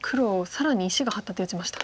更に石が張った手打ちました。